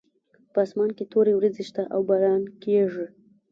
په اسمان کې تورې وریځې شته او باران کیږي